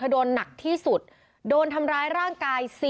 โดนหนักที่สุดโดนทำร้ายร่างกาย